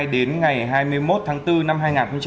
đến ngày hai mươi một tháng bốn năm hai nghìn hai mươi